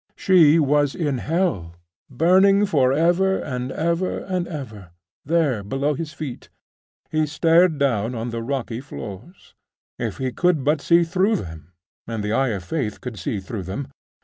She was in hell.... Burning for ever, and ever, and ever, there below his feet. He stared down on the rocky floors. If he could but see through them.... and the eye of faith could see through them....